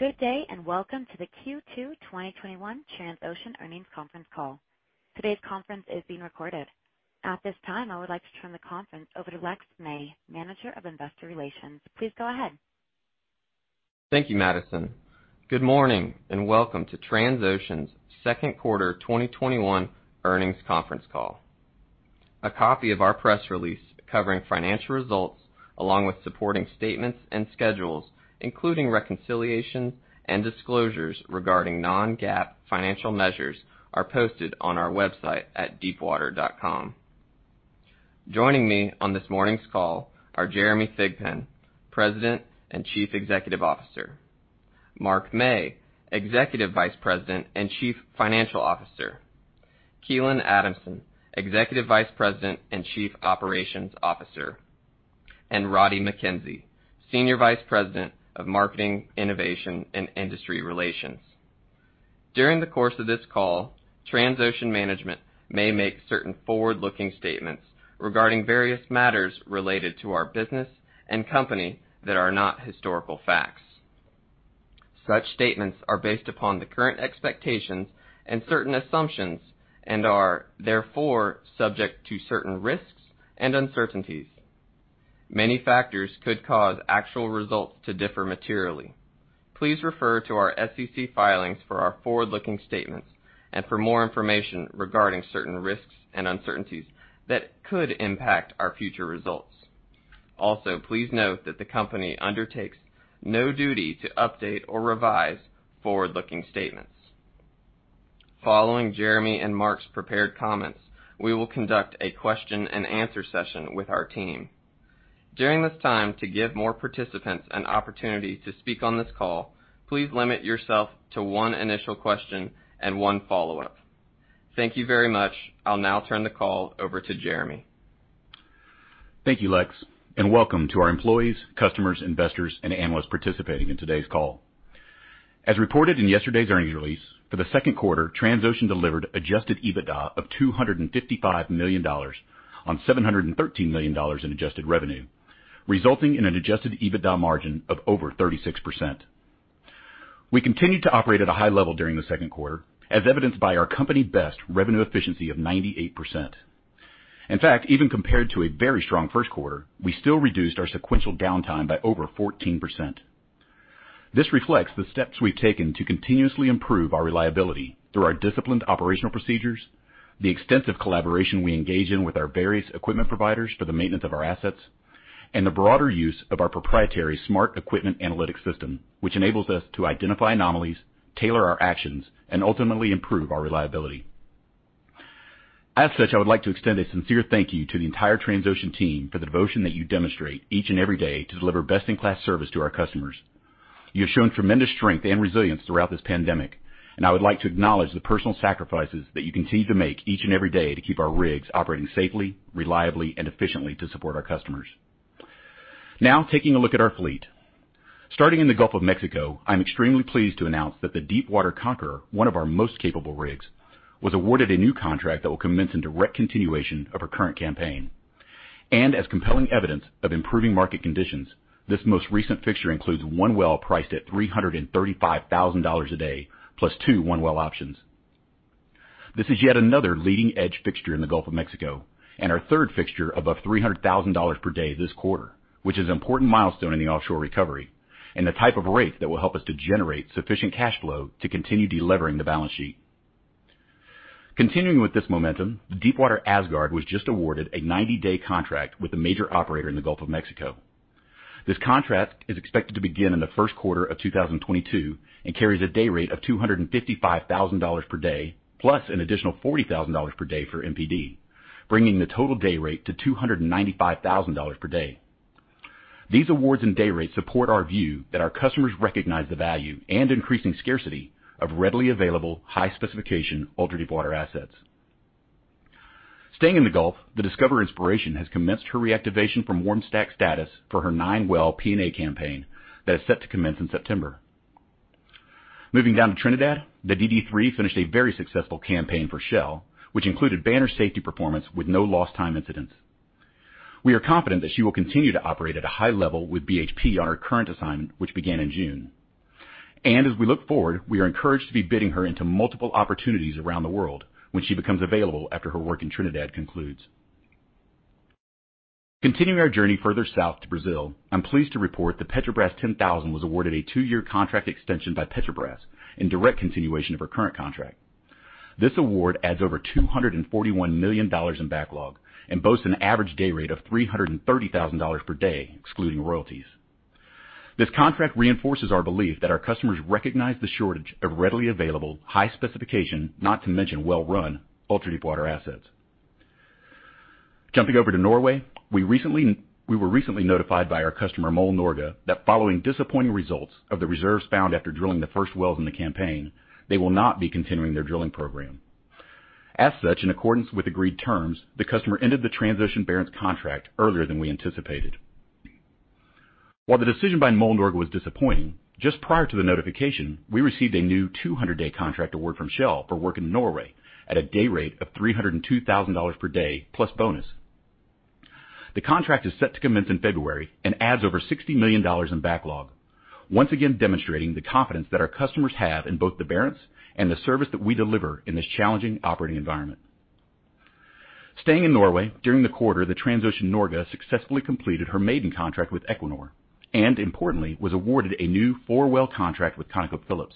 Good day, and welcome to the Q2 2021 Transocean Earnings Conference Call. Today's conference is being recorded. At this time, I would like to turn the conference over to Lex May, Manager of Investor Relations. Please go ahead. Thank you, Madison. Good morning and welcome to Transocean's second quarter 2021 earnings conference call. A copy of our press release covering financial results, along with supporting statements and schedules, including reconciliation and disclosures regarding non-GAAP financial measures, are posted on our website at deepwater.com. Joining me on this morning's call are Jeremy Thigpen, President and Chief Executive Officer; Mark Mey, Executive Vice President and Chief Financial Officer; Keelan Adamson, Executive Vice President and Chief Operations Officer; and Roddie Mackenzie, Senior Vice President of Marketing, Innovation, and Industry Relations. During the course of this call, Transocean management may make certain forward-looking statements regarding various matters related to our business and company that are not historical facts. Such statements are based upon the current expectations and certain assumptions and are, therefore, subject to certain risks and uncertainties. Many factors could cause actual results to differ materially. Please refer to our SEC filings for our forward-looking statements and for more information regarding certain risks and uncertainties that could impact our future results. Also, please note that the company undertakes no duty to update or revise forward-looking statements. Following Jeremy and Mark's prepared comments, we will conduct a question-and-answer session with our team. During this time, to give more participants an opportunity to speak on this call, please limit yourself to one initial question and one follow-up. Thank you very much. I'll now turn the call over to Jeremy. Thank you, Lex, and welcome to our employees, customers, investors, and analysts participating in today's call. As reported in yesterday's earnings release, for the second quarter, Transocean delivered adjusted EBITDA of $255 million on $713 million in adjusted revenue, resulting in an adjusted EBITDA margin of over 36%. We continued to operate at a high level during the second quarter, as evidenced by our company-best revenue efficiency of 98%. In fact, even compared to a very strong first quarter, we still reduced our sequential downtime by over 14%. This reflects the steps we've taken to continuously improve our reliability through our disciplined operational procedures, the extensive collaboration we engage in with our various equipment providers for the maintenance of our assets, and the broader use of our proprietary smart equipment analytics system, which enables us to identify anomalies, tailor our actions, and ultimately improve our reliability. As such, I would like to extend a sincere thank you to the entire Transocean team for the devotion that you demonstrate each and every day to deliver best-in-class service to our customers. You have shown tremendous strength and resilience throughout this pandemic, and I would like to acknowledge the personal sacrifices that you continue to make each and every day to keep our rigs operating safely, reliably, and efficiently to support our customers. Now, taking a look at our fleet. Starting in the Gulf of Mexico, I'm extremely pleased to announce that the Deepwater Conqueror, one of our most capable rigs, was awarded a new contract that will commence in direct continuation of her current campaign. As compelling evidence of improving market conditions, this most recent fixture includes one well priced at $335,000 a day, plus two one-well options. This is yet another leading-edge fixture in the Gulf of Mexico and our third fixture above $300,000 per day this quarter, which is an important milestone in the offshore recovery and the type of rate that will help us to generate sufficient cash flow to continue delevering the balance sheet. Continuing with this momentum, the Deepwater Asgard was just awarded a 90-day contract with a major operator in the Gulf of Mexico. This contract is expected to begin in the first quarter of 2022 and carries a day rate of $255,000 per day, plus an additional $40,000 per day for MPD, bringing the total day rate to $295,000 per day. These awards and day rates support our view that our customers recognize the value and increasing scarcity of readily available, high-specification, ultra-deepwater assets. Staying in the Gulf, the Discoverer Inspiration has commenced her reactivation from warm stack status for her nine-well P&A campaign that is set to commence in September. Moving down to Trinidad, the DD3 finished a very successful campaign for Shell, which included banner safety performance with no lost time incidents. We are confident that she will continue to operate at a high level with BHP on her current assignment, which began in June. As we look forward, we are encouraged to be bidding her into multiple opportunities around the world when she becomes available after her work in Trinidad concludes. Continuing our journey further south to Brazil, I'm pleased to report the Petrobras 10000 was awarded a two-year contract extension by Petrobras in direct continuation of her current contract. This award adds over $241 million in backlog and boasts an average day rate of $330,000 per day, excluding royalties. This contract reinforces our belief that our customers recognize the shortage of readily available, high-specification, not to mention well-run, ultra-deepwater assets. Jumping over to Norway, we were recently notified by our customer, MOL Norge, that following disappointing results of the reserves found after drilling the first wells in the campaign, they will not be continuing their drilling program. As such, in accordance with agreed terms, the customer ended the Transocean Barents contract earlier than we anticipated. While the decision by MOL Norge was disappointing, just prior to the notification, we received a new 200-day contract award from Shell for work in Norway at a day rate of $302,000 per day plus bonus. The contract is set to commence in February and adds over $60 million in backlog, once again demonstrating the confidence that our customers have in both the Barents and the service that we deliver in this challenging operating environment. Staying in Norway, during the quarter, the Transocean Norge successfully completed her maiden contract with Equinor and importantly, was awarded a new four-well contract with ConocoPhillips.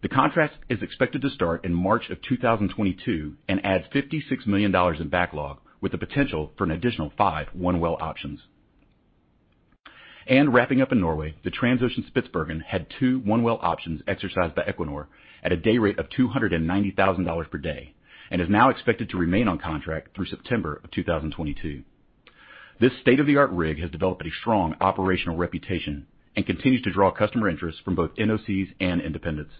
The contract is expected to start in March of 2022 and adds $56 million in backlog with the potential for an additional five one-well options. Wrapping up in Norway, the Transocean Spitsbergen had two one-well options exercised by Equinor at a day rate of $290,000 per day and is now expected to remain on contract through September of 2022. This state-of-the-art rig has developed a strong operational reputation and continues to draw customer interest from both NOCs and independents.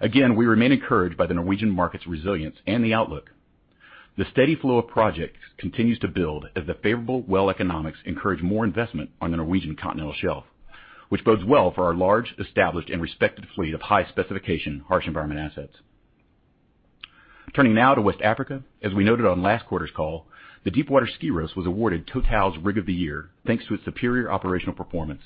Again, we remain encouraged by the Norwegian market's resilience and the outlook. The steady flow of projects continues to build as the favorable well economics encourage more investment on the Norwegian continental shelf, which bodes well for our large, established, and respected fleet of high-specification, harsh environment assets. Turning now to West Africa, as we noted on last quarter's call, the Deepwater Skyros was awarded Total's Rig of the Year, thanks to its superior operational performance.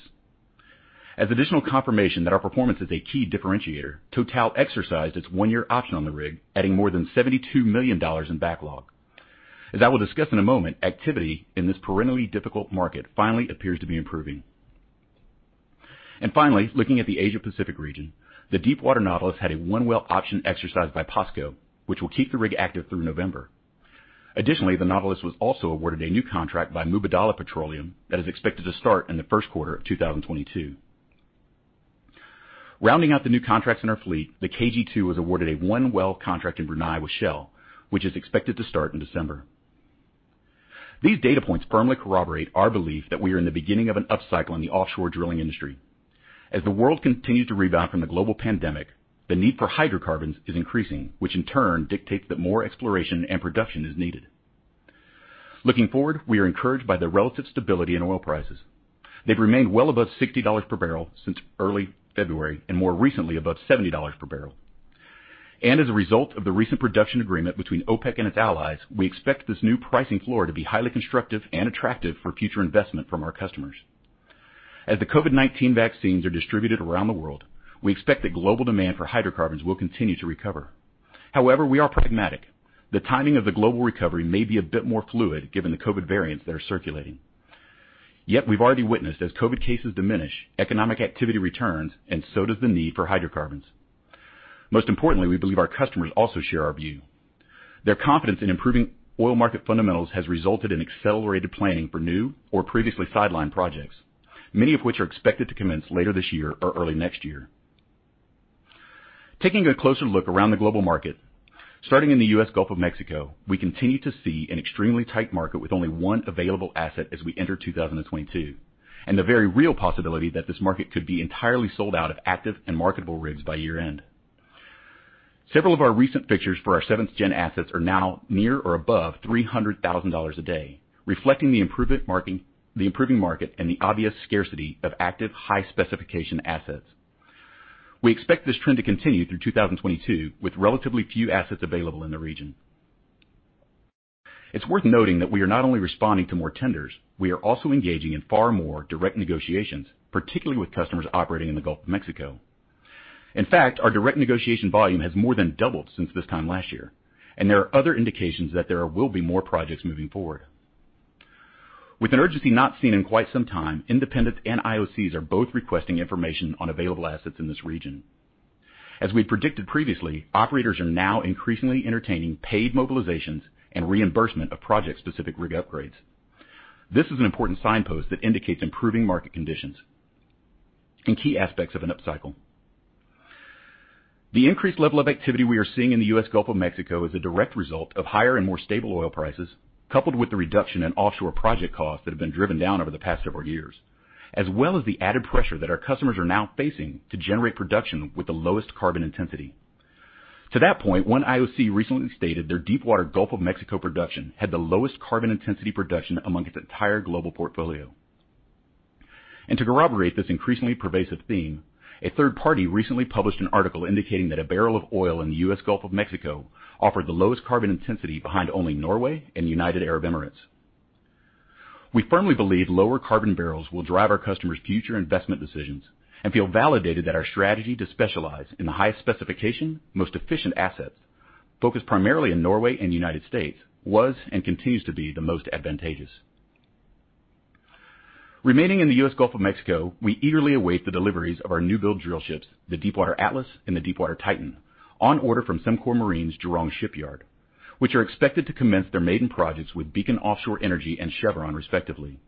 As additional confirmation that our performance is a key differentiator, Total exercised its one-year option on the rig, adding more than $72 million in backlog. As I will discuss in a moment, activity in this perennially difficult market finally appears to be improving. Finally, looking at the Asia-Pacific region, the Deepwater Nautilus had a one-well option exercised by POSCO, which will keep the rig active through November. Additionally, the Nautilus was also awarded a new contract by Mubadala Energy that is expected to start in the first quarter of 2022. Rounding out the new contracts in our fleet, the KG2 was awarded a one-well contract in Brunei with Shell, which is expected to start in December. These data points firmly corroborate our belief that we are in the beginning of an upcycle in the offshore drilling industry. As the world continues to rebound from the global pandemic, the need for hydrocarbons is increasing, which in turn dictates that more exploration and production is needed. Looking forward, we are encouraged by the relative stability in oil prices. They've remained well above $60 per barrel since early February and, more recently, above $70 per barrel. As a result of the recent production agreement between OPEC and its allies, we expect this new pricing floor to be highly constructive and attractive for future investment from our customers. As the COVID-19 vaccines are distributed around the world, we expect that global demand for hydrocarbons will continue to recover. However, we are pragmatic. The timing of the global recovery may be a bit more fluid, given the COVID variants that are circulating. Yet, we've already witnessed as COVID cases diminish, economic activity returns, and so does the need for hydrocarbons. Most importantly, we believe our customers also share our view. Their confidence in improving oil market fundamentals has resulted in accelerated planning for new or previously sidelined projects, many of which are expected to commence later this year or early next year. Taking a closer look around the global market, starting in the U.S. Gulf of Mexico, we continue to see an extremely tight market with only one available asset as we enter 2022, and the very real possibility that this market could be entirely sold out of active and marketable rigs by year-end. Several of our recent fixtures for our 7th-gen assets are now near or above $300,000 a day, reflecting the improving market and the obvious scarcity of active high-specification assets. We expect this trend to continue through 2022, with relatively few assets available in the region. It is worth noting that we are not only responding to more tenders, we are also engaging in far more direct negotiations, particularly with customers operating in the Gulf of Mexico. In fact, our direct negotiation volume has more than doubled since this time last year, and there are other indications that there will be more projects moving forward. With an urgency not seen in quite some time, independents and IOCs are both requesting information on available assets in this region. As we predicted previously, operators are now increasingly entertaining paid mobilizations and reimbursement of project-specific rig upgrades. This is an important signpost that indicates improving market conditions and key aspects of an upcycle. The increased level of activity we are seeing in the U.S. Gulf of Mexico is a direct result of higher and more stable oil prices, coupled with the reduction in offshore project costs that have been driven down over the past several years, as well as the added pressure that our customers are now facing to generate production with the lowest carbon intensity. To that point, one IOC recently stated their Deepwater Gulf of Mexico production had the lowest carbon intensity production among its entire global portfolio. To corroborate this increasingly pervasive theme, a third party recently published an article indicating that a barrel of oil in the U.S. Gulf of Mexico offered the lowest carbon intensity behind only Norway and United Arab Emirates. We firmly believe lower carbon barrels will drive our customers' future investment decisions and feel validated that our strategy to specialize in the highest specification, most efficient assets focused primarily in Norway and the United States, was and continues to be the most advantageous. Remaining in the U.S. Gulf of Mexico, we eagerly await the deliveries of our new-build drill ships, the Deepwater Atlas and the Deepwater Titan, on order from Sembcorp Marine's Jurong Shipyard, which are expected to commence their maiden projects with Beacon Offshore Energy and Chevron, respectively.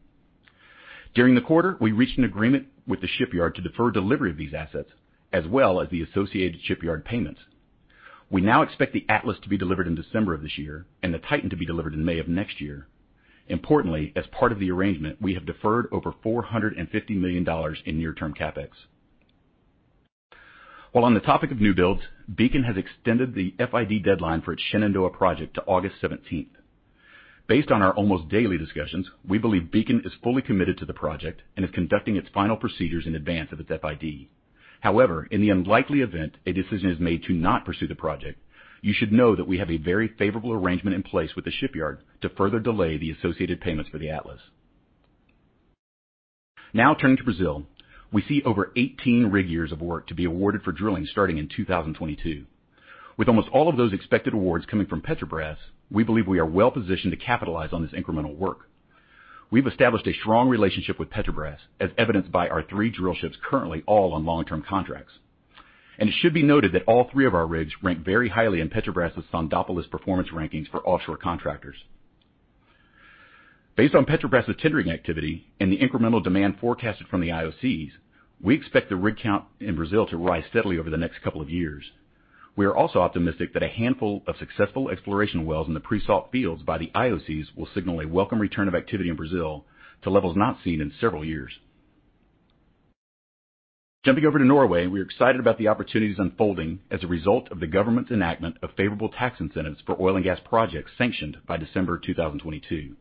During the quarter, we reached an agreement with the shipyard to defer delivery of these assets, as well as the associated shipyard payments. We now expect the Atlas to be delivered in December of this year and the Titan to be delivered in May of next year. Importantly, as part of the arrangement, we have deferred over $450 million in near-term CapEx. While on the topic of new builds, Beacon has extended the FID deadline for its Shenandoah project to August 17th. Based on our almost daily discussions, we believe Beacon is fully committed to the project and is conducting its final procedures in advance of its FID. However, in the unlikely event a decision is made to not pursue the project, you should know that we have a very favorable arrangement in place with the shipyard to further delay the associated payments for the Atlas. Now turning to Brazil. We see over 18 rig years of work to be awarded for drilling starting in 2022. With almost all of those expected awards coming from Petrobras, we believe we are well-positioned to capitalize on this incremental work. We've established a strong relationship with Petrobras, as evidenced by our three drill ships currently all on long-term contracts. It should be noted that all three of our rigs rank very highly in Petrobras' Sondópolis performance rankings for offshore contractors. Based on Petrobras' tendering activity and the incremental demand forecasted from the IOCs, we expect the rig count in Brazil to rise steadily over the next couple of years. We are also optimistic that a handful of successful exploration wells in the pre-salt fields by the IOCs will signal a welcome return of activity in Brazil to levels not seen in several years. Jumping over to Norway, we are excited about the opportunities unfolding as a result of the government's enactment of favorable tax incentives for oil and gas projects sanctioned by December 2022.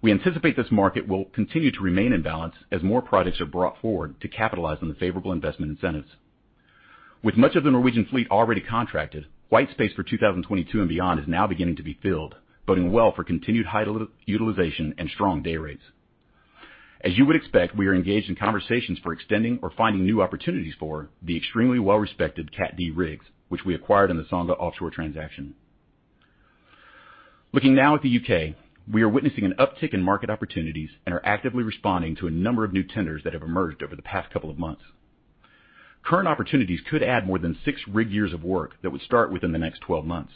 We anticipate this market will continue to remain in balance as more projects are brought forward to capitalize on the favorable investment incentives. With much of the Norwegian fleet already contracted, white space for 2022 and beyond is now beginning to be filled, boding well for continued high utilization and strong day rates. As you would expect, we are engaged in conversations for extending or finding new opportunities for the extremely well-respected Cat D rigs, which we acquired in the Songa Offshore transaction. Looking now at the U.K., we are witnessing an uptick in market opportunities and are actively responding to a number of new tenders that have emerged over the past couple of months. Current opportunities could add more than six rig years of work that would start within the next 12 months.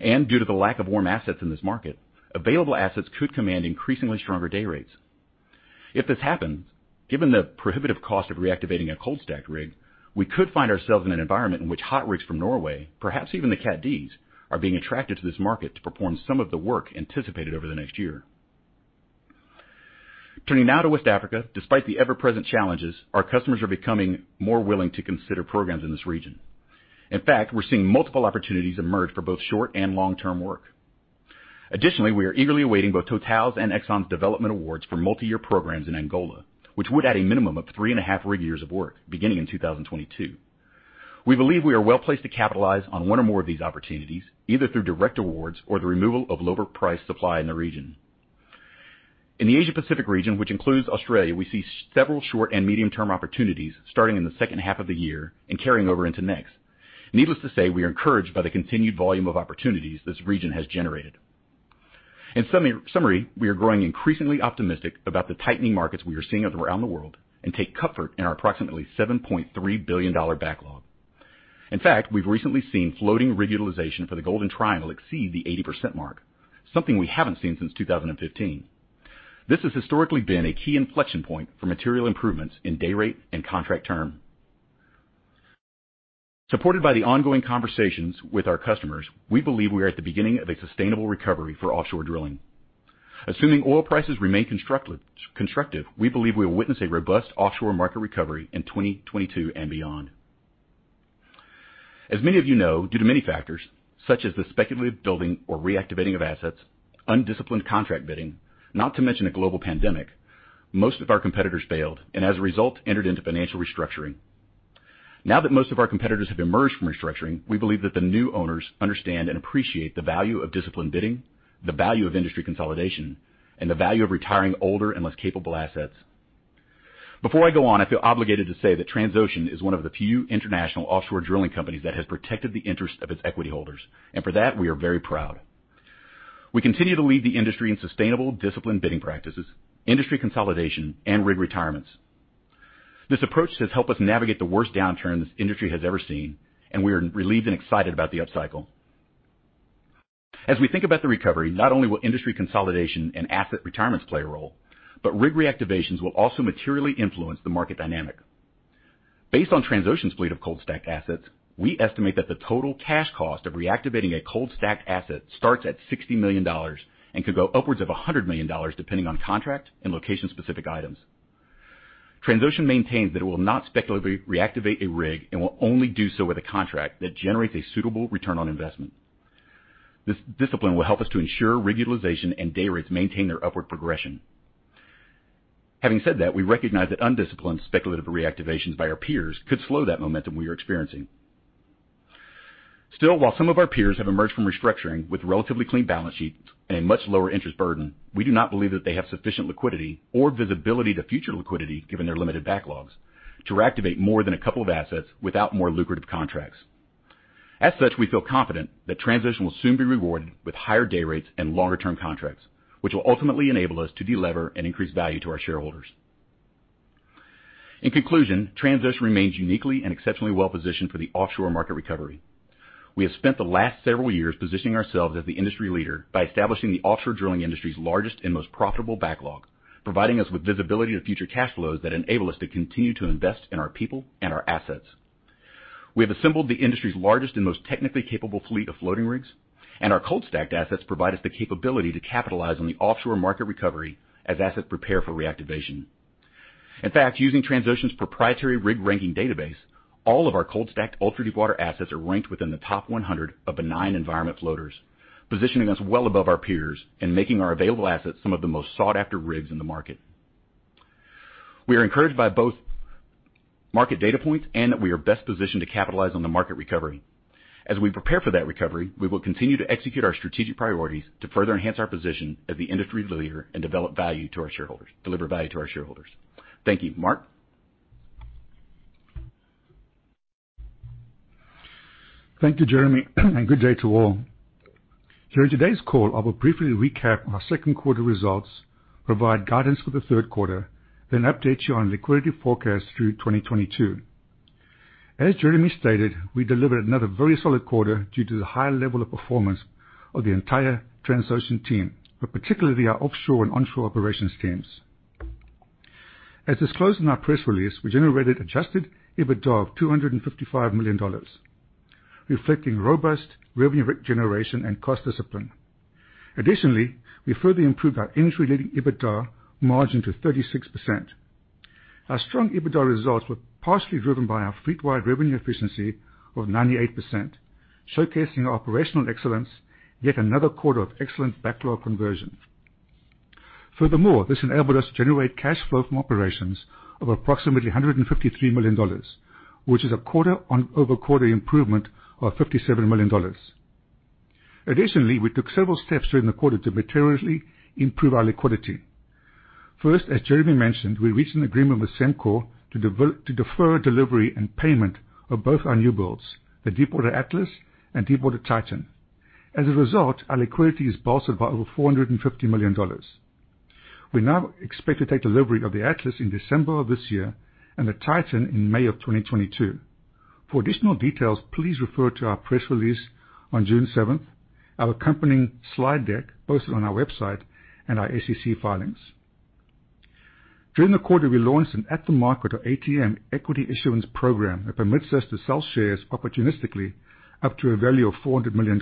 Due to the lack of warm assets in this market, available assets could command increasingly stronger day rates. If this happens, given the prohibitive cost of reactivating a cold-stacked rig, we could find ourselves in an environment in which hot rigs from Norway, perhaps even the Cat Ds, are being attracted to this market to perform some of the work anticipated over the next year. Turning now to West Africa, despite the ever-present challenges, our customers are becoming more willing to consider programs in this region. In fact, we're seeing multiple opportunities emerge for both short and long-term work. Additionally, we are eagerly awaiting both Total's and Exxon's development awards for multi-year programs in Angola, which would add a minimum of 3.5 rig years of work beginning in 2022. We believe we are well-placed to capitalize on one or more of these opportunities, either through direct awards or the removal of lower-priced supply in the region. In the Asia-Pacific region, which includes Australia, we see several short and medium-term opportunities starting in the second half of the year and carrying over into next. Needless to say, we are encouraged by the continued volume of opportunities this region has generated. In summary, we are growing increasingly optimistic about the tightening markets we are seeing around the world and take comfort in our approximately $7.3 billion backlog. In fact, we've recently seen floating rig utilization for the Golden Triangle exceed the 80% mark, something we haven't seen since 2015. This has historically been a key inflection point for material improvements in day rate and contract term. Supported by the ongoing conversations with our customers, we believe we are at the beginning of a sustainable recovery for offshore drilling. Assuming oil prices remain constructive, we believe we will witness a robust offshore market recovery in 2022 and beyond. As many of you know, due to many factors such as the speculative building or reactivating of assets, undisciplined contract bidding, not to mention a global pandemic, most of our competitors failed, and as a result, entered into financial restructuring. Now that most of our competitors have emerged from restructuring, we believe that the new owners understand and appreciate the value of disciplined bidding, the value of industry consolidation, and the value of retiring older and less capable assets. Before I go on, I feel obligated to say that Transocean is one of the few international offshore drilling companies that has protected the interest of its equity holders, and for that, we are very proud. We continue to lead the industry in sustainable, disciplined bidding practices, industry consolidation, and rig retirements. This approach has helped us navigate the worst downturn this industry has ever seen, and we are relieved and excited about the upcycle. As we think about the recovery, not only will industry consolidation and asset retirements play a role, but rig reactivations will also materially influence the market dynamic. Based on Transocean's fleet of cold-stacked assets, we estimate that the total cash cost of reactivating a cold-stacked asset starts at $60 million and could go upwards of $100 million, depending on contract and location-specific items. Transocean maintains that it will not speculatively reactivate a rig and will only do so with a contract that generates a suitable return on investment. This discipline will help us to ensure rig utilization and day rates maintain their upward progression. Having said that, we recognize that undisciplined speculative reactivations by our peers could slow that momentum we are experiencing. Still, while some of our peers have emerged from restructuring with relatively clean balance sheets and a much lower interest burden, we do not believe that they have sufficient liquidity or visibility to future liquidity, given their limited backlogs, to reactivate more than a couple of assets without more lucrative contracts. As such, we feel confident that Transocean will soon be rewarded with higher day rates and longer-term contracts, which will ultimately enable us to delever and increase value to our shareholders. In conclusion, Transocean remains uniquely and exceptionally well-positioned for the offshore market recovery. We have spent the last several years positioning ourselves as the industry leader by establishing the offshore drilling industry's largest and most profitable backlog, providing us with visibility to future cash flows that enable us to continue to invest in our people and our assets. We have assembled the industry's largest and most technically capable fleet of floating rigs, and our cold-stacked assets provide us the capability to capitalize on the offshore market recovery as assets prepare for reactivation. In fact, using Transocean's proprietary rig-ranking database, all of our cold-stacked ultra-deepwater assets are ranked within the top 100 of benign environment floaters, positioning us well above our peers and making our available assets some of the most sought-after rigs in the market. We are encouraged by both market data points and that we are best positioned to capitalize on the market recovery. As we prepare for that recovery, we will continue to execute our strategic priorities to further enhance our position as the industry leader and deliver value to our shareholders. Thank you. Mark? Thank you, Jeremy, and good day to all. In today's call, I will briefly recap our second quarter results, provide guidance for the third quarter, then update you on liquidity forecast through 2022. As Jeremy stated, we delivered another very solid quarter due to the high level of performance of the entire Transocean team, but particularly our offshore and onshore operations teams. As disclosed in our press release, we generated adjusted EBITDA of $255 million, reflecting robust revenue generation and cost discipline. Additionally, we further improved our industry-leading EBITDA margin to 36%. Our strong EBITDA results were partially driven by our fleet-wide revenue efficiency of 98%, showcasing our operational excellence, yet another quarter of excellent backlog conversion. This enabled us to generate cash flow from operations of approximately $153 million, which is a quarter-over-quarter improvement of $57 million. Additionally, we took several steps during the quarter to materially improve our liquidity. First, as Jeremy mentioned, we reached an agreement with Sembcorp to defer delivery and payment of both our newbuilds, the Deepwater Atlas and Deepwater Titan. As a result, our liquidity is bolstered by over $450 million. We now expect to take delivery of the Atlas in December of this year and the Titan in May of 2022. For additional details, please refer to our press release on June 7th, our accompanying slide deck posted on our website, and our SEC filings. During the quarter, we launched an at-the-market or ATM equity issuance program that permits us to sell shares opportunistically up to a value of $400 million.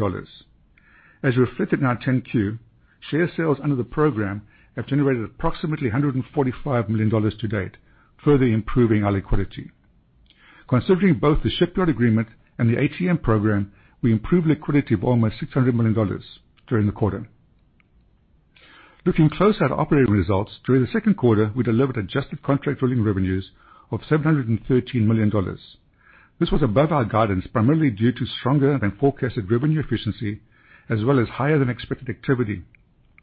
As reflected in our 10-Q, share sales under the program have generated approximately $145 million to date, further improving our liquidity. Considering both the shipyard agreement and the ATM program, we improved liquidity by almost $600 million during the quarter. Looking closer at operating results, during the second quarter, we delivered adjusted contract drilling revenues of $713 million. This was above our guidance, primarily due to stronger than forecasted revenue efficiency, as well as higher than expected activity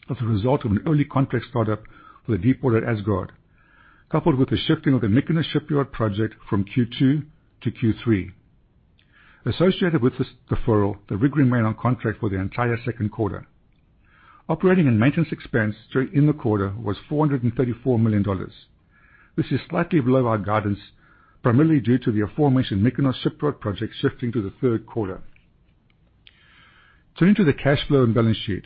as a result of an early contract startup for the Deepwater Asgard, coupled with the shifting of the Mykonos shipyard project from Q2 to Q3. Associated with this deferral, the rig remained on contract for the entire second quarter. Operating and maintenance expense during the quarter was $434 million. This is slightly below our guidance, primarily due to the aforementioned Mykonos shipyard project shifting to the third quarter. Turning to the cash flow and balance sheet,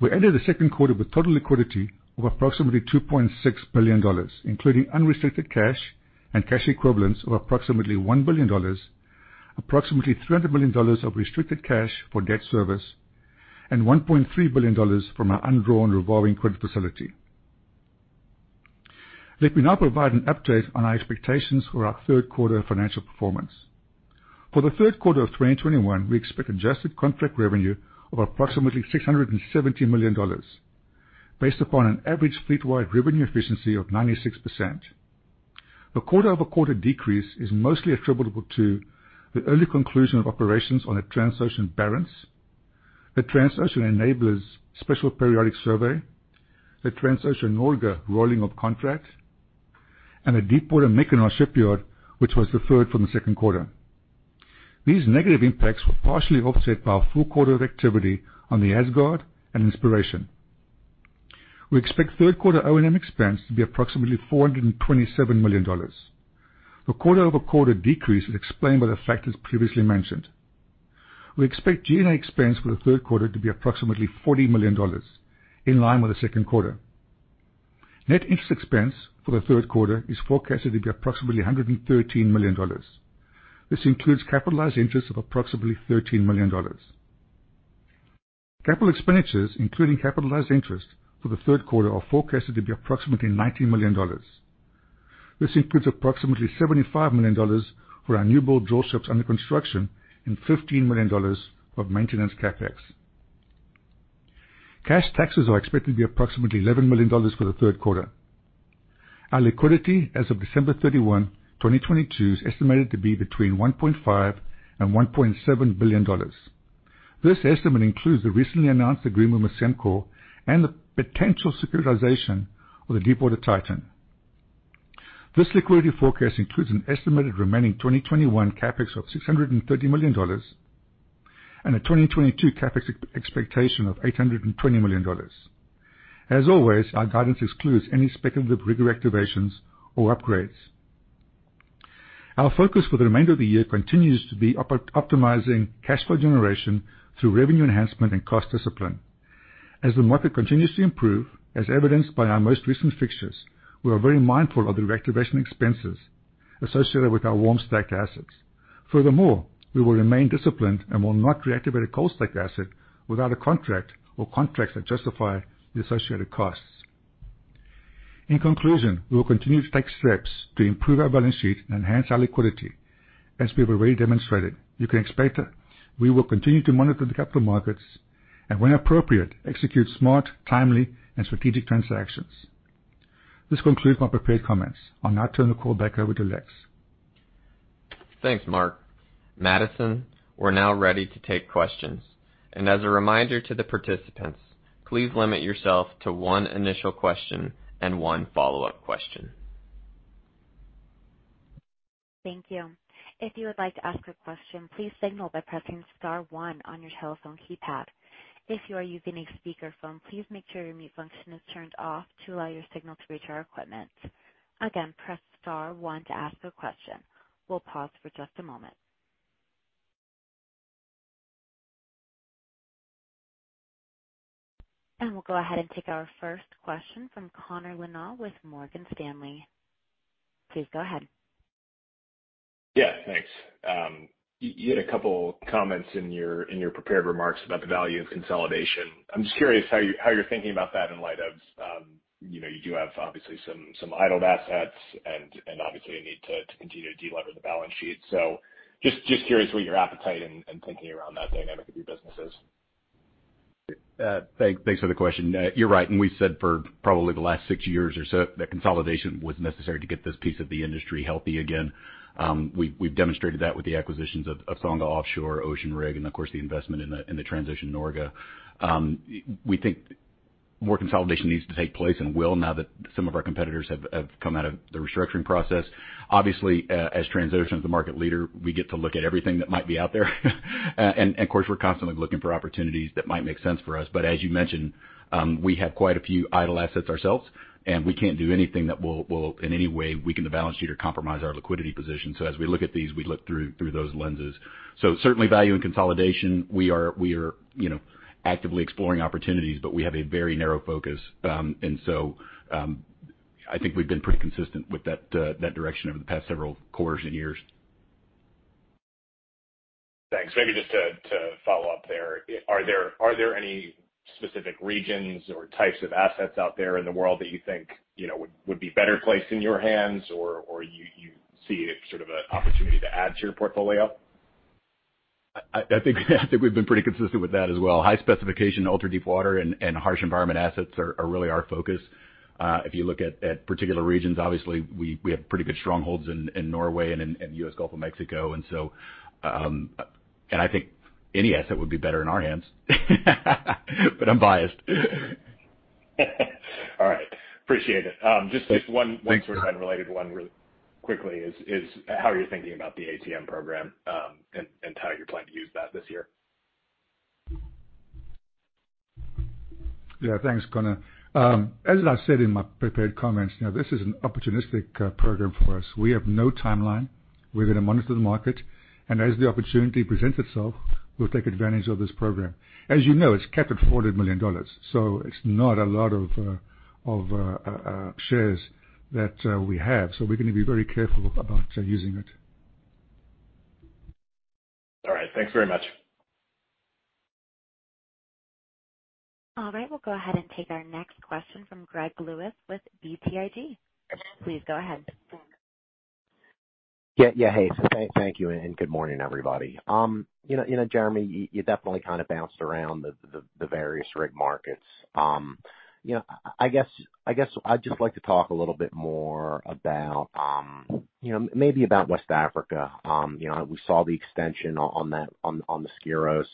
we ended the second quarter with total liquidity of approximately $2.6 billion, including unrestricted cash and cash equivalents of approximately $1 billion, approximately $300 million of restricted cash for debt service, and $1.3 billion from our undrawn revolving credit facility. Let me now provide an update on our expectations for our third-quarter financial performance. For the third quarter of 2021, we expect adjusted contract revenue of approximately $670 million, based upon an average fleet-wide revenue efficiency of 96%. The quarter-over-quarter decrease is mostly attributable to the early conclusion of operations on a Transocean Barents, the Transocean Enabler's special periodic survey, the Transocean Norge rolling off contract, and the Deepwater Mykonos shipyard, which was deferred from the second quarter. These negative impacts were partially offset by a full quarter of activity on the Asgard and Inspiration. We expect third quarter O&M expense to be approximately $427 million. The quarter-over-quarter decrease is explained by the factors previously mentioned. We expect G&A expense for the third quarter to be approximately $40 million, in line with the second quarter. Net interest expense for the third quarter is forecasted to be approximately $113 million. This includes capitalized interest of approximately $13 million. Capital expenditures, including capitalized interest for the third quarter, are forecasted to be approximately $90 million. This includes approximately $75 million for our newbuild drillships under construction and $15 million of maintenance CapEx. Cash taxes are expected to be approximately $11 million for the third quarter. Our liquidity as of December 31, 2022, is estimated to be between $1.5 and $1.7 billion. This estimate includes the recently announced agreement with Sembcorp and the potential securitization of the Deepwater Titan. This liquidity forecast includes an estimated remaining 2021 CapEx of $630 million and a 2022 CapEx expectation of $820 million. As always, our guidance excludes any speculative rig reactivations or upgrades. Our focus for the remainder of the year continues to be optimizing cash flow generation through revenue enhancement and cost discipline. As the market continues to improve, as evidenced by our most recent fixtures, we are very mindful of the reactivation expenses associated with our warm-stacked assets. Furthermore, we will remain disciplined and will not reactivate a cold-stacked asset without a contract or contracts that justify the associated costs. In conclusion, we will continue to take steps to improve our balance sheet and enhance our liquidity, as we have already demonstrated. You can expect that we will continue to monitor the capital markets and, when appropriate, execute smart, timely, and strategic transactions. This concludes my prepared comments. I'll now turn the call back over to Lex. Thanks, Mark. Madison, we're now ready to take questions. As a reminder to the participants, please limit yourself to one initial question and one follow-up question. Thank you. If you would like to ask a question, please signal by pressing star one on your telephone keypad. If you are using a speakerphone, please make sure your mute function is turned off to allow your signal to reach our equipment. And that's press star one to ask a question. We'll pause for just a moment. We'll go ahead and take our first question from Connor Lynagh with Morgan Stanley. Please go ahead. Yeah, thanks. You had a couple comments in your prepared remarks about the value of consolidation. I'm just curious how you're thinking about that in light of you do have obviously some idled assets and obviously a need to continue to de-lever the balance sheet. Just curious what your appetite and thinking around that dynamic of your business is. Thanks for the question. You're right, we've said for probably the last six years or so that consolidation was necessary to get this piece of the industry healthy again. We've demonstrated that with the acquisitions of Songa Offshore, Ocean Rig, and of course, the investment in the Transocean Norge. We think more consolidation needs to take place and will now that some of our competitors have come out of the restructuring process. Obviously, as Transocean's the market leader, we get to look at everything that might be out there. Of course, we're constantly looking for opportunities that might make sense for us. As you mentioned, we have quite a few idle assets ourselves, and we can't do anything that will, in any way weaken the balance sheet or compromise our liquidity position. As we look at these, we look through those lenses. Certainly, value and consolidation, we are actively exploring opportunities, but we have a very narrow focus. I think we've been pretty consistent with that direction over the past several quarters and years. Thanks. Maybe just to follow up there. Are there any specific regions or types of assets out there in the world that you think would be better placed in your hands or you see as sort of an opportunity to add to your portfolio? I think we've been pretty consistent with that as well. High specification, ultra-deepwater, and harsh-environment assets are really our focus. If you look at particular regions, obviously, we have pretty good strongholds in Norway and in U.S. Gulf of Mexico. I think any asset would be better in our hands. I'm biased. All right. Appreciate it. Thanks. Sort of unrelated, one really quickly is, how you're thinking about the ATM program, and how you're planning to use that this year? Yeah, thanks, Connor. As I said in my prepared comments, this is an opportunistic program for us. We have no timeline. We're going to monitor the market, and as the opportunity presents itself, we'll take advantage of this program. As you know, it's capped at $400 million, so it's not a lot of shares that we have. We're going to be very careful about using it. All right. Thanks very much. All right. We'll go ahead and take our next question from Greg Lewis with BTIG. Please go ahead. Yeah. Hey, thank you, and good morning, everybody. Jeremy, you definitely kind of bounced around the various rig markets. I guess I'd just like to talk a little bit more about maybe about West Africa. We saw the extension on the Deepwater Skyros.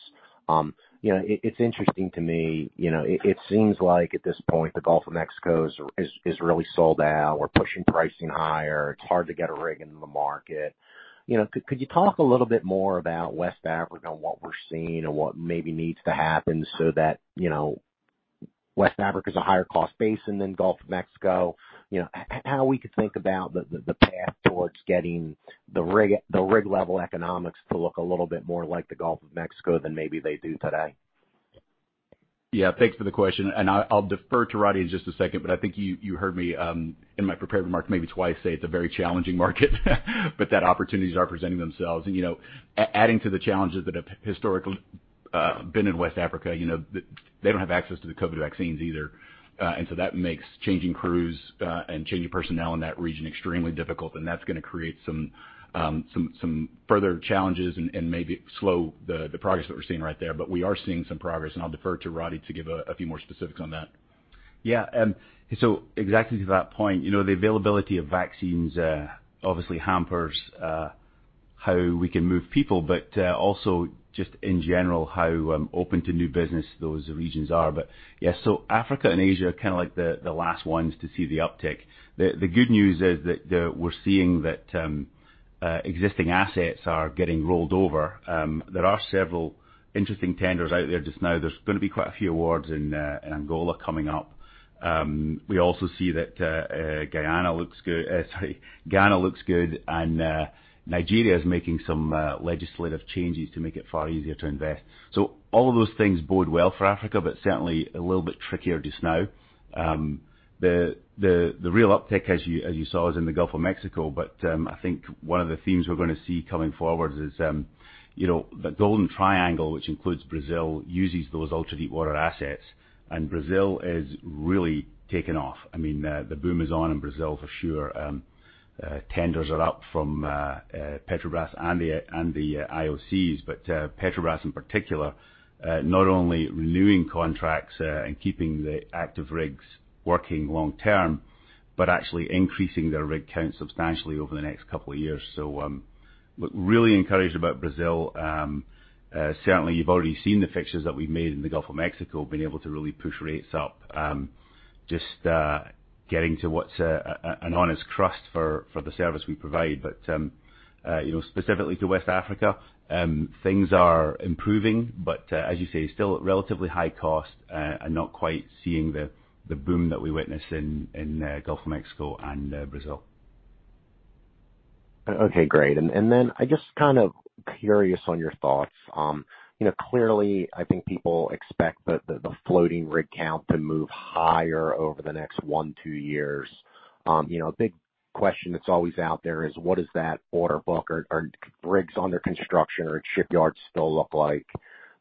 It's interesting to me. It seems like at this point, the Gulf of Mexico is really sold out. We're pushing pricing higher. It's hard to get a rig into the market. Could you talk a little bit more about West Africa and what we're seeing and what maybe needs to happen so that West Africa is a higher-cost basin than Gulf of Mexico, how we could think about the path towards getting the rig-level economics to look a little bit more like the Gulf of Mexico than maybe they do today? Yeah. Thanks for the question. I'll defer to Roddie in just a second, but I think you heard me in my prepared remarks, maybe twice, say it's a very challenging market, but that opportunities are presenting themselves and adding to the challenges that have historically been in West Africa, they don't have access to the COVID vaccines either. That makes changing crews and changing personnel in that region extremely difficult, and that's gonna create some further challenges and maybe slow the progress that we're seeing right there. We are seeing some progress, and I'll defer to Roddie to give a few more specifics on that. Yeah. Exactly to that point, the availability of vaccines obviously hampers how we can move people, but also, just in general, how open to new business those regions are. Yeah, Africa and Asia are kind of like the last ones to see the uptick. The good news is that we're seeing that existing assets are getting rolled over. There are several interesting tenders out there just now. There's going to be quite a few awards in Angola coming up. We also see that Guyana looks good, and Nigeria is making some legislative changes to make it far easier to invest. All of those things bode well for Africa, but certainly a little bit trickier just now. The real uptick, as you saw, is in the Gulf of Mexico. I think one of the themes we're going to see coming forward is the Golden Triangle, which includes Brazil, uses those ultra-deepwater assets, and Brazil has really taken off. The boom is on in Brazil for sure. Tenders are up from Petrobras and the IOCs, Petrobras in particular, not only renewing contracts and keeping the active rigs working long term, actually increasing their rig count substantially over the next couple of years. We're really encouraged about Brazil. Certainly, you've already seen the fixes that we've made in the Gulf of Mexico, being able to really push rates up, just getting to what's an honest cost for the service we provide. Specifically to West Africa, things are improving, but as you say, still at relatively high cost and not quite seeing the boom that we witnessed in Gulf of Mexico and Brazil. Okay, great. I am just kind of curious on your thoughts. Clearly, I think people expect the floating rig count to move higher over the next one, two years. A big question that is always out there is what does that order book or rigs under construction or shipyards still look like?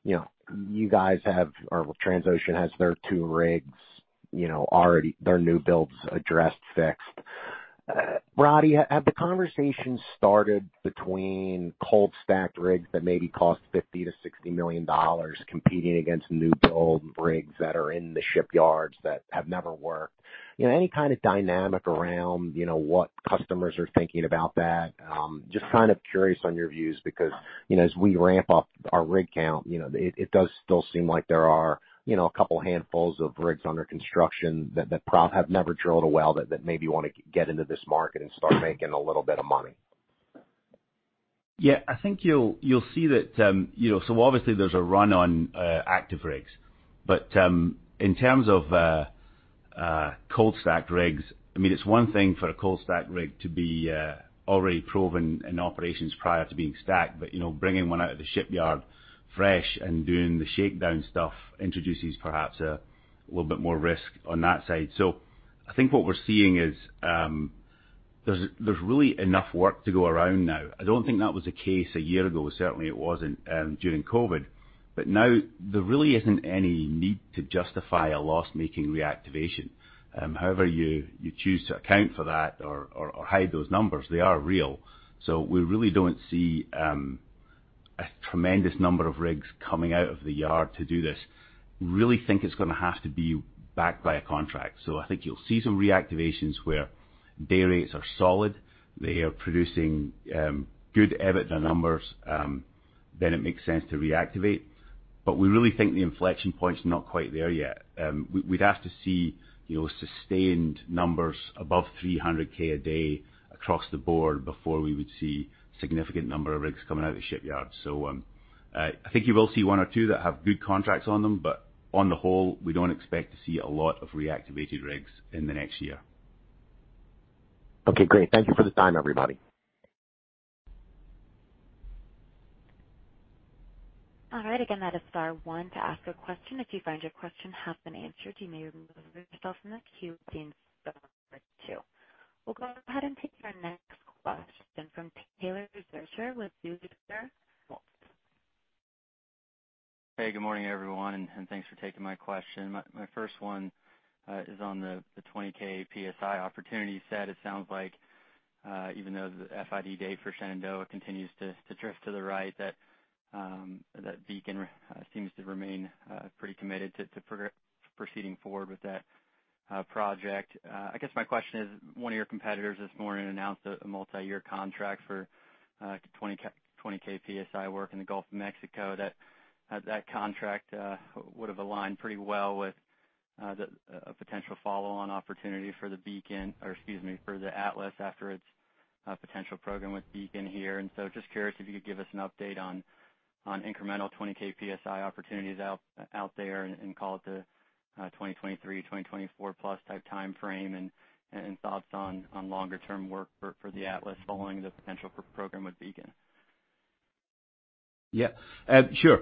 You guys have, or Transocean has their two rigs, their new builds addressed, fixed. Roddie, have the conversations started between cold-stacked rigs that maybe cost $50 million-$60 million competing against new build rigs that are in the shipyards that have never worked? Any kind of dynamic around what customers are thinking about that? Just kind of curious on your views because, as we ramp up our rig count, it does still seem like there are a couple handfuls of rigs under construction that have never drilled a well that maybe want to get into this market and start making a little bit of money. Yeah, obviously, there's a run on active rigs, but in terms of cold-stacked rigs, it's one thing for a cold-stacked rig to be already proven in operations prior to being stacked, but bringing one out of the shipyard fresh and doing the shakedown stuff introduces perhaps a little bit more risk on that side. I think what we're seeing is there's really enough work to go around now. I don't think that was the case a year ago, certainly it wasn't during COVID. Now there really isn't any need to justify a loss-making reactivation. However you choose to account for that or hide those numbers, they are real. We really don't see a tremendous number of rigs coming out of the yard to do this. Really think it's going to have to be backed by a contract. I think you'll see some reactivations where day rates are solid, they are producing good EBITDA numbers, then it makes sense to reactivate. We really think the inflection point is not quite there yet. We'd have to see sustained numbers above $300,000 a day across the board before we would see a significant number of rigs coming out of the shipyard. I think you will see one or two that have good contracts on them, but on the whole, we don't expect to see a lot of reactivated rigs in the next year. Okay, great. Thank you for the time, everybody. All right. Again, that is star one to ask a question. If you find your question has been answered, you may remove yourself from the queue by pressing star two. We'll go ahead and take our next question from Taylor Zurcher with Hey, good morning, everyone. Thanks for taking my question. My first one is on the 20k psi opportunity set. It sounds like even though the FID date for Shenandoah continues to drift to the right, Beacon seems to remain pretty committed to proceeding forward with that project. I guess my question is, one of your competitors this morning announced a multi-year contract for 20k psi work in the Gulf of Mexico. That contract would have aligned pretty well with a potential follow-on opportunity for Beacon, or excuse me, for the Atlas after its potential program with Beacon here. Just curious if you could give us an update on incremental 20k psi opportunities out there and call it the 2023, 2024+ type timeframe and thoughts on longer term work for the Atlas following the potential for program with Beacon. Yeah. Sure.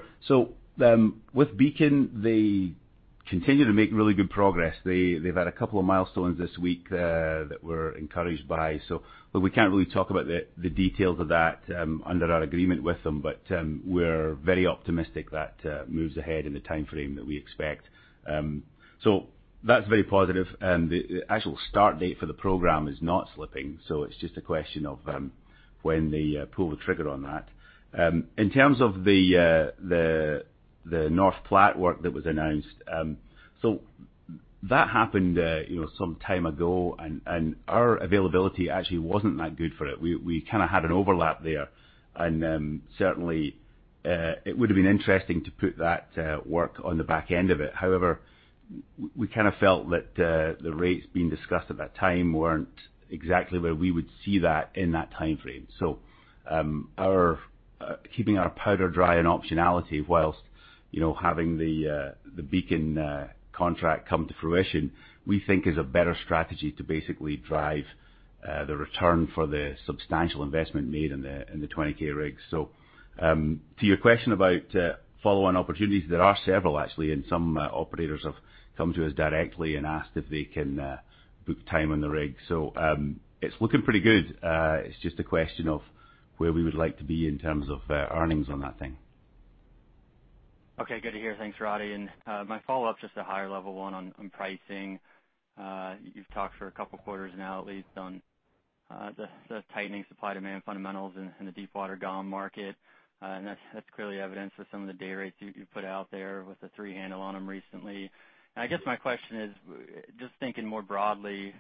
With Beacon, they continue to make really good progress. They've had a couple of milestones this week that we're encouraged by. Look, we can't really talk about the details of that under our agreement with them, but we're very optimistic that moves ahead in the timeframe that we expect. That's very positive, and the actual start date for the program is not slipping, so it's just a question of when they pull the trigger on that. In terms of the North Platte work that was announced, so that happened some time ago, and our availability actually wasn't that good for it. We kind of had an overlap there, and certainly it would have been interesting to put that work on the back end of it. However, we felt that the rates being discussed at that time weren't exactly where we would see that in that time frame. Keeping our powder dry and optionality whilst having the Beacon contract come to fruition, we think, is a better strategy to basically drive the return for the substantial investment made in the 20K rigs. To your question about follow-on opportunities, there are several, actually, and some operators have come to us directly and asked if they can book time on the rig. It's looking pretty good. It's just a question of where we would like to be in terms of earnings on that thing. Okay. Good to hear. Thanks, Roddie. My follow-up is just a higher-level one on pricing. You've talked for a couple quarters now, at least on the tightening supply demand fundamentals in the deepwater GOM market, and that's clearly evidenced with some of the day rates you put out there with the three handle on them recently. I guess my question is, just thinking more broadly,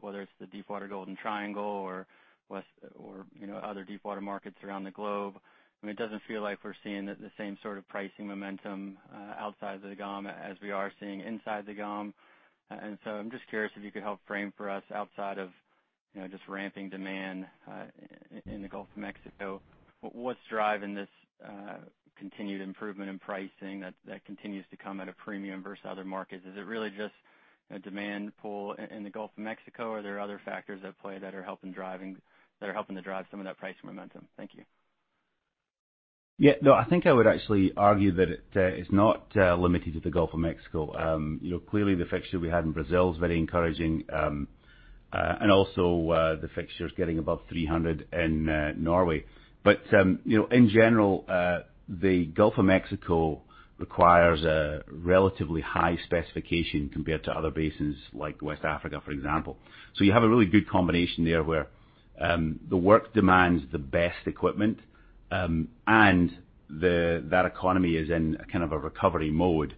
whether it's the deepwater Golden Triangle or other deepwater markets around the globe, it doesn't feel like we're seeing the same sort of pricing momentum outside of the GOM as we are seeing inside the GOM. I'm just curious if you could help frame for us outside of just ramping demand in the Gulf of Mexico, what's driving this continued improvement in pricing that continues to come at a premium versus other markets? Is it really just a demand pull in the Gulf of Mexico, or are there other factors at play that are helping to drive some of that price momentum? Thank you. Yeah. No, I think I would actually argue that it is not limited to the Gulf of Mexico. Clearly, the fixture we had in Brazil is very encouraging, and also, the fixtures getting above $300 in Norway. In general, the Gulf of Mexico requires a relatively high specification compared to other basins like West Africa, for example. You have a really good combination there where the work demands the best equipment, and that economy is in a kind of a recovery mode.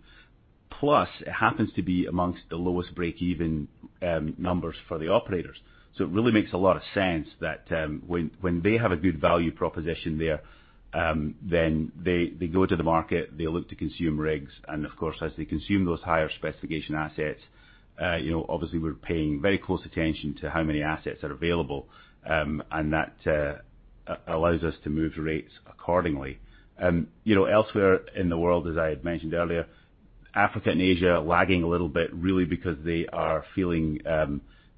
Plus, it happens to be amongst the lowest breakeven numbers for the operators. It really makes a lot of sense that when they have a good value proposition there, then they go to the market, they look to consume rigs. As they consume those higher specification assets, obviously, we're paying very close attention to how many assets are available, and that allows us to move rates accordingly. Elsewhere in the world, as I had mentioned earlier, Africa and Asia are lagging a little bit, really because they are feeling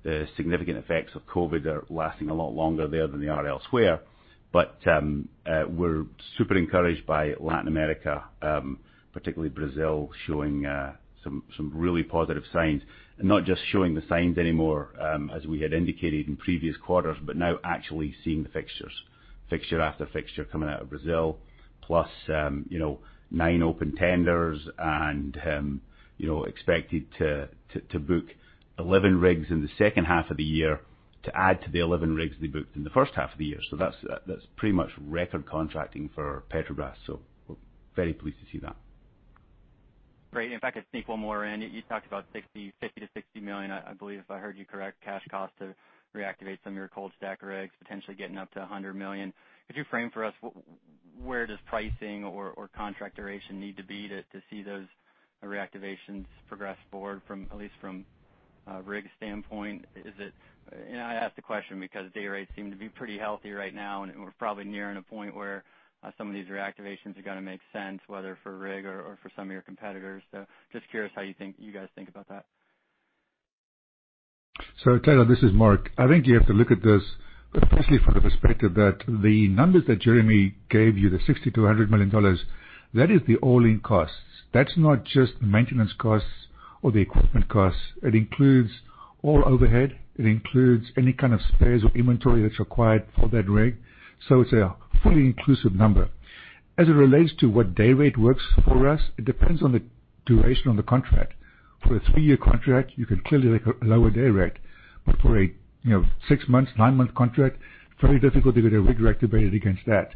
the significant effects of COVID are lasting a lot longer there than they are elsewhere. We're super encouraged by Latin America, particularly Brazil, showing some really positive signs, and not just showing the signs anymore, as we had indicated in previous quarters, but now actually seeing the fixtures, fixture after fixture coming out of Brazil, plus nine open tenders and expected to book 11 rigs in the second half of the year to add to the 11 rigs they booked in the first half of the year. That's pretty much record contracting for Petrobras. We're very pleased to see that. Great. If I could sneak one more in. You talked about $50 million-$60 million, I believe, if I heard you correct, cash cost to reactivate some of your cold-stacked rigs, potentially getting up to $100 million. Could you frame for us where does pricing or contract duration need to be to see those reactivations progress forward, at least from a rig standpoint? I ask the question because day rates seem to be pretty healthy right now, and we're probably nearing a point where some of these reactivations are going to make sense, whether for rig or for some of your competitors. Just curious how you guys think about that. Taylor Zurcher, this is Mark. I think you have to look at this especially from the perspective that the numbers that Jeremy Thigpen gave you, the $60 million-$100 million, that is the all-in costs. That's not just the maintenance costs or the equipment costs. It includes all overhead. It includes any kind of spares or inventory that's required for that rig. It's a fully inclusive number. As it relates to what day rate works for us, it depends on the duration of the contract. For a three-year contract, you can clearly lower day rate. For a six months, nine-month contract, it's very difficult to get a rig reactivated against that.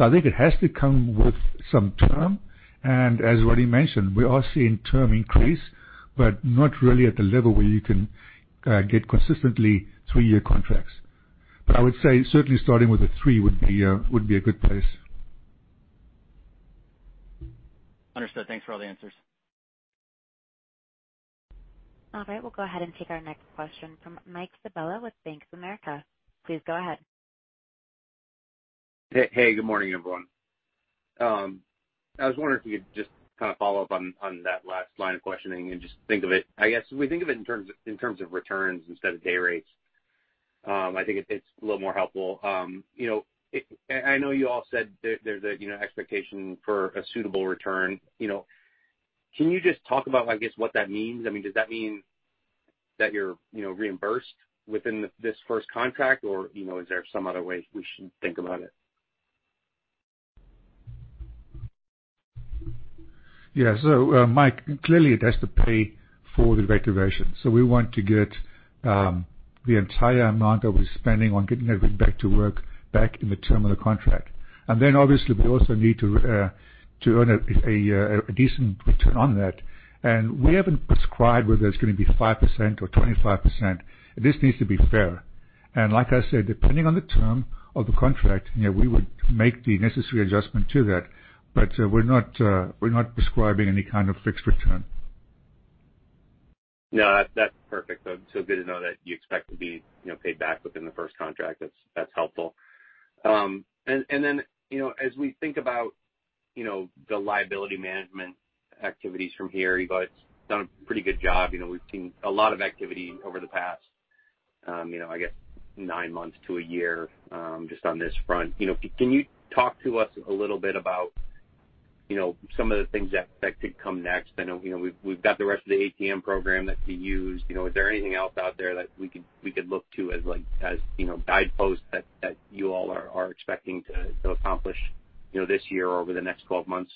I think it has to come with some term, and as Roddie mentioned, we are seeing term increase, but not really at the level where you can get consistently three-year contracts. I would say certainly starting with a three would be a good place. Understood. Thanks for all the answers. All right. We'll go ahead and take our next question from Mike Sabella with Bank of America. Please go ahead. Hey, good morning, everyone. I was wondering if you could just follow up on that last line of questioning and just think of it, I guess, if we think of it in terms of returns instead of day rates, I think it's a little more helpful. I know you all said there's an expectation for a suitable return. Can you just talk about, I guess, what that means? I mean, does that mean that you're reimbursed within this first contract, or is there some other way we should think about it? Michael, clearly, it has to pay for the reactivation. We want to get the entire amount that we're spending on getting that rig back to work back in the term of the contract. Obviously, we also need to earn a decent return on that. We haven't prescribed whether it's going to be 5% or 25%. This needs to be fair. Like I said, depending on the term of the contract, we would make the necessary adjustment to that. We're not prescribing any kind of fixed return. No, that's perfect, though. It's so good to know that you expect to be paid back within the first contract. That's helpful. As we think about the liability management activities from here, you guys have done a pretty good job. We've seen a lot of activity over the past, I guess, nine months to one year, just on this front. Can you talk to us a little bit about some of the things that could come next? I know we've got the rest of the ATM program that could be used. Is there anything else out there that we could look to as guideposts that you all are expecting to accomplish this year or over the next 12 months?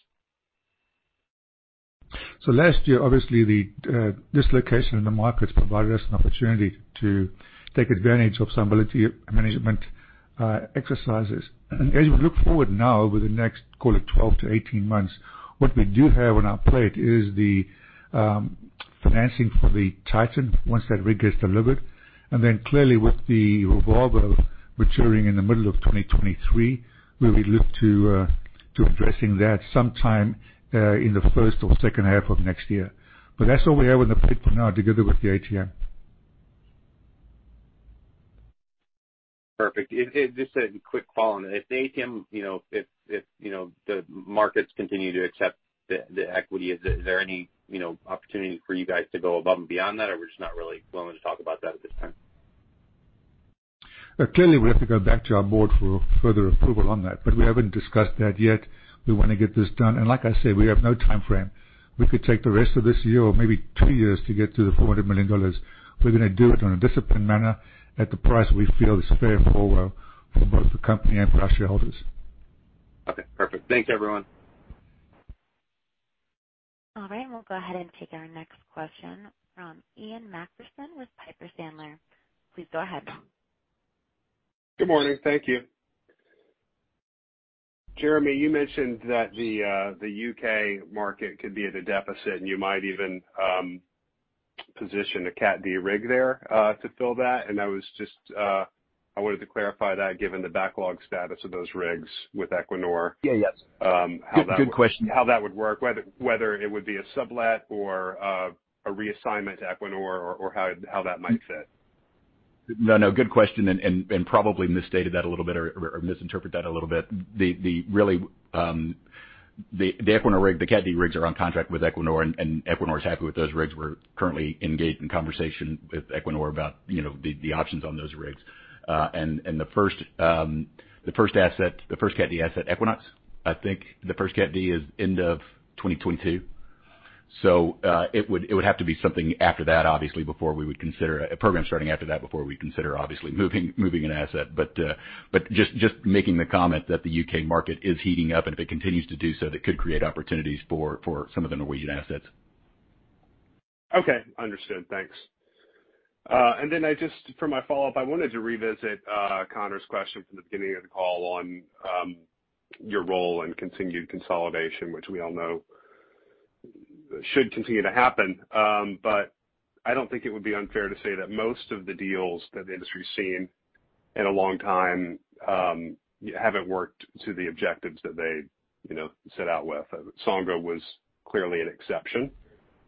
Last year, obviously, the dislocation in the markets provided us an opportunity to take advantage of some liability management exercises. As we look forward now over the next, call it 12 to 18 months, what we do have on our plate is the financing for the Titan, once that rig is delivered. Clearly, with the revolver maturing in the middle of 2023, we look to addressing that sometime in the first or second half of next year. That's all we have on the plate for now, together with the ATM. Perfect. Just a quick follow-on. If the ATM, if the markets continue to accept the equity, is there any opportunity for you guys to go above and beyond that, or we're just not really willing to talk about that at this time? Clearly, we have to go back to our board for further approval on that, but we haven't discussed that yet. We want to get this done. Like I said, we have no timeframe. We could take the rest of this year or maybe two years to get to the $400 million. We're going to do it in a disciplined manner at the price we feel is fair forward for both the company and for our shareholders. Okay, perfect. Thanks, everyone. All right, we'll go ahead and take our next question from Ian Macpherson with Piper Sandler. Please go ahead. Good morning. Thank you. Jeremy, you mentioned that the U.K. market could be at a deficit, and you might even position a Cat D rig there, to fill that. I wanted to clarify that given the backlog status of those rigs with Equinor. Yeah. Yes. Good question. How that would work, whether it would be a sublet or a reassignment to Equinor or how that might fit. No. Good question. Probably misstated that a little bit or misinterpreted that a little bit. The Equinor rig, the Cat D rigs are on contract with Equinor, and Equinor's happy with those rigs. We're currently engaged in conversation with Equinor about the options on those rigs. The first Cat D asset, Equinox, I think the first Cat D is end of 2022. It would have to be something after that, obviously, before we would consider a program starting after that, before we consider obviously moving an asset. Just making the comment that the U.K. market is heating up, and if it continues to do so, that could create opportunities for some of the Norwegian assets. Okay. Understood. Thanks. I just, for my follow-up, I wanted to revisit Connor's question from the beginning of the call on your role in continued consolidation, which we all know should continue to happen. I don't think it would be unfair to say that most of the deals that the industry's seen in a long time haven't worked to the objectives that they set out with. Songa was clearly an exception.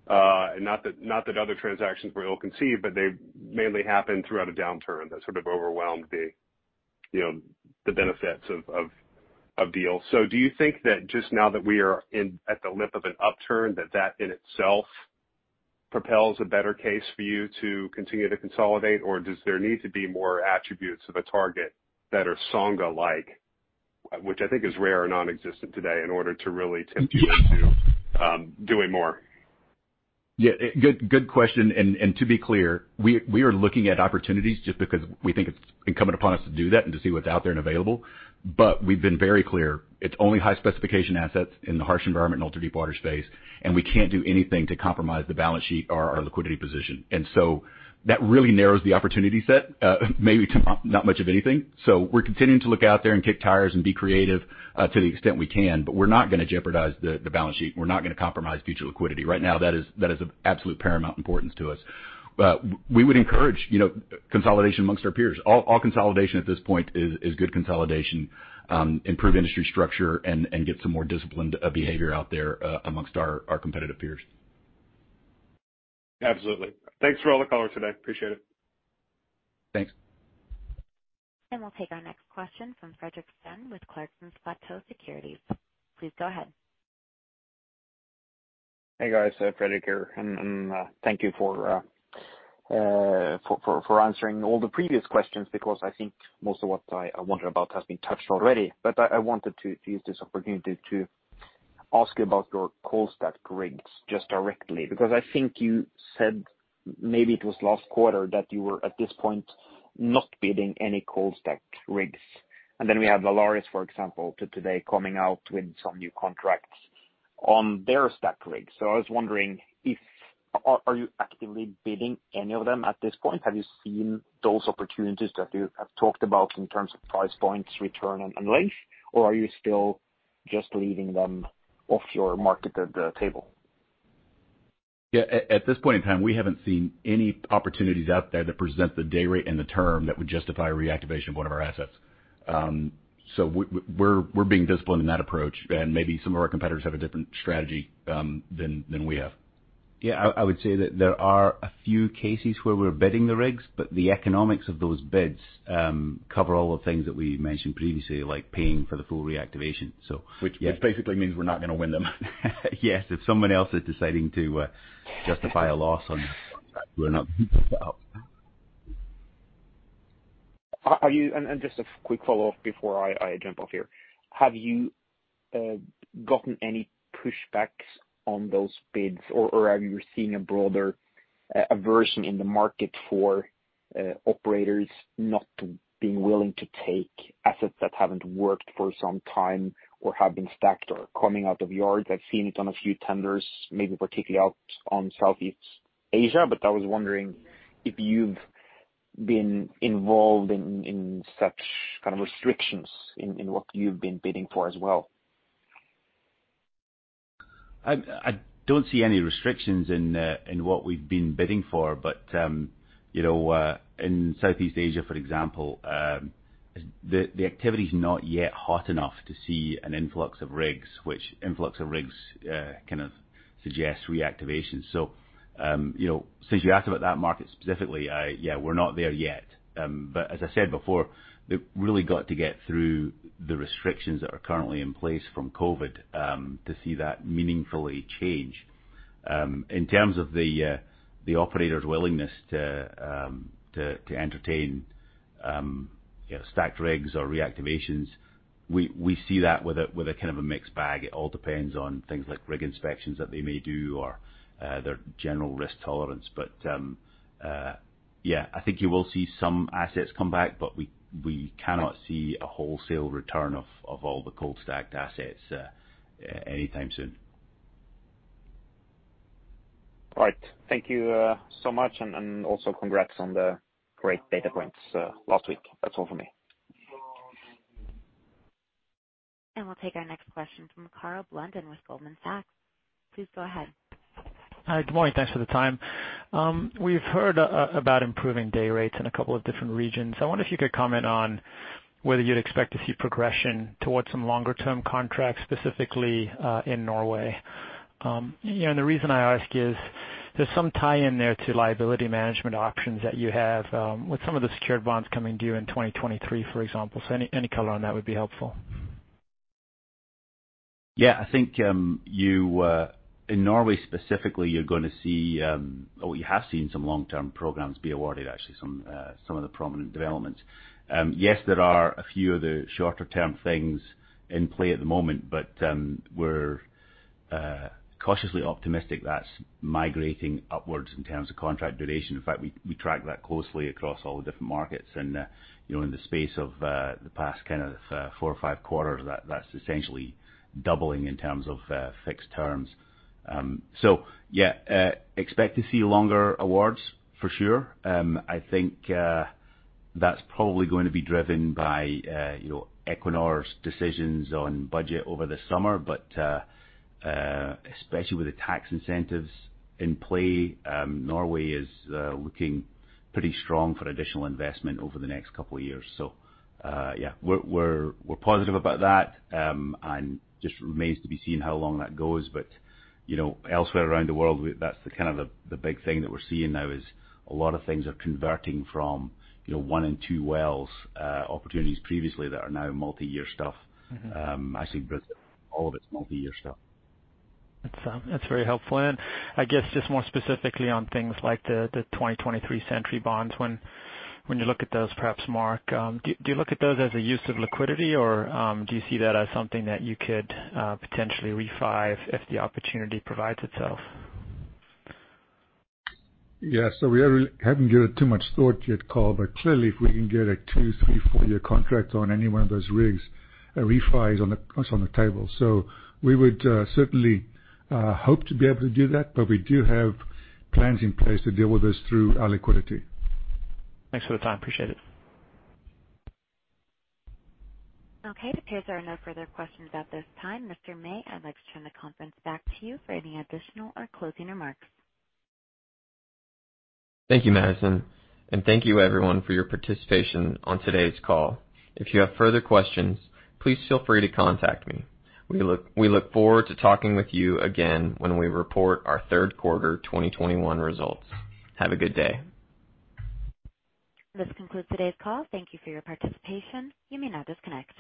Not that other transactions were ill-conceived, but they mainly happened throughout a downturn that sort of overwhelmed the benefits of deals. Do you think that just now that we are at the lip of an upturn, that that in itself propels a better case for you to continue to consolidate? Does there need to be more attributes of a target that are Songa-like, which I think is rare or nonexistent today, in order to really tempt you into doing more? Good question. To be clear, we are looking at opportunities just because we think it's incumbent upon us to do that and to see what's out there and available. We've been very clear, it's only high-specification assets in the harsh environment and ultra-deepwater space, and we can't do anything to compromise the balance sheet or our liquidity position. That really narrows the opportunity set, maybe to not much of anything. We're continuing to look out there and kick tyres and be creative to the extent we can. We're not going to jeopardize the balance sheet. We're not going to compromise future liquidity. Right now, that is of absolute paramount importance to us. We would encourage consolidation amongst our peers. All consolidation at this point is good consolidation, improve industry structure, and get some more disciplined behavior out there amongst our competitive peers. Absolutely. Thanks for all the color today. Appreciate it. Thanks. We'll take our next question from Fredrik Stene with Clarksons Platou Securities. Please go ahead. Hey, guys, Fredrik here. Thank you for answering all the previous questions, because I think most of what I wonder about has been touched already. I wanted to use this opportunity to ask you about your cold stack rigs just directly, because I think you said, maybe it was last quarter, that you were at this point, not bidding any cold stack rigs. Then we have Valaris, for example, today coming out with some new contracts on their stack rigs. I was wondering, are you actively bidding any of them at this point? Have you seen those opportunities that you have talked about in terms of price points, return, and length? Are you still just leaving them off your market at the table? Yeah, at this point in time, we haven't seen any opportunities out there that present the day rate and the term that would justify reactivation of one of our assets. We're being disciplined in that approach, and maybe some of our competitors have a different strategy than we have. Yeah, I would say that there are a few cases where we're bidding the rigs, but the economics of those bids cover all the things that we mentioned previously, like paying for the full reactivation. yeah. Which basically means we're not going to win them. Yes. If someone else is deciding to justify a loss on Just a quick follow-up before I jump off here. Have you gotten any pushbacks on those bids, or are you seeing a broader aversion in the market for operators not being willing to take assets that haven't worked for some time or have been stacked or are coming out of yards? I've seen it on a few tenders, maybe particularly out on Southeast Asia. I was wondering if you've been involved in such kind of restrictions in what you've been bidding for as well. I don't see any restrictions in what we've been bidding for. In Southeast Asia, for example, the activity is not yet hot enough to see an influx of rigs, which influx of rigs kind of suggests reactivation. Since you asked about that market specifically, yeah, we're not there yet. As I said before, they really got to get through the restrictions that are currently in place from COVID to see that meaningfully change. In terms of the operator's willingness to entertain stacked rigs or reactivations, we see that with a kind of a mixed bag. It all depends on things like rig inspections that they may do or their general risk tolerance. Yeah, I think you will see some assets come back, but we cannot see a wholesale return of all the cold-stacked assets any time soon. All right. Thank you so much. Also congrats on the great data points last week. That's all for me. We'll take our next question from Karl Blunden with Goldman Sachs. Please go ahead. Hi. Good morning. Thanks for the time. We've heard about improving day rates in a couple of different regions. I wonder if you could comment on whether you'd expect to see progression towards some longer-term contracts, specifically, in Norway. The reason I ask is there's some tie in there to liability management options that you have with some of the secured bonds coming due in 2023, for example. Any color on that would be helpful. I think, in Norway specifically, you're going to see some long-term programs be awarded, actually, some of the prominent developments. Yes, there are a few other shorter-term things in play at the moment, we're cautiously optimistic that's migrating upwards in terms of contract duration. In fact, we track that closely across all the different markets. In the space of the past kind of four or five quarters, that's essentially doubling in terms of fixed terms. Expect to see longer awards for sure. I think that's probably going to be driven by Equinor's decisions on budget over the summer. Especially with the tax incentives in play, Norway is looking pretty strong for additional investment over the next couple of years. We're positive about that, and just remains to be seen how long that goes. Elsewhere around the world, that's the kind of the big thing that we're seeing now is a lot of things are converting from one-in-two-well opportunities previously that are now multi-year stuff. Actually, all of it is multi-year stuff. That's very helpful. I guess just more specifically on things like the 2023 secured bonds, when you look at those, perhaps, Mark, do you look at those as a use of liquidity, or do you see that as something that you could potentially refi if the opportunity provides itself? Yeah. We haven't given it too much thought yet, Karl, but clearly, if we can get a two, three, four-year contract on any one of those rigs, a refi is on the table. We would certainly hope to be able to do that, but we do have plans in place to deal with this through our liquidity. Thanks for the time. Appreciate it. Okay, it appears there are no further questions at this time. Mr. Mey, I'd like to turn the conference back to you for any additional or closing remarks. Thank you, Madison. Thank you, everyone, for your participation on today's call. If you have further questions, please feel free to contact me. We look forward to talking with you again when we report our third quarter 2021 results. Have a good day. This concludes today's call. Thank you for your participation. You may now disconnect.